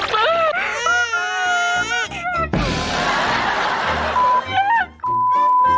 มันได้ประโยชน์แล้วเนี่ย